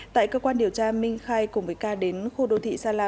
tại cơ quan điều tra minh khai cùng với k đến khu đô thị sa la